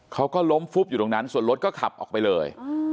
เขาก็ล้มฟุบอยู่ตรงนั้นส่วนรถก็ขับออกไปเลย